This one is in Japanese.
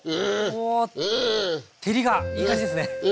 照りがいい感じですね！